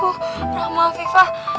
aduh rahma fifah